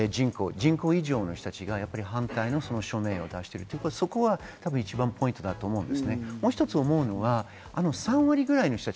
市民の人口以上の人たちが反対の署名を出しているってことは、そこは多分一番ポイントだと思います。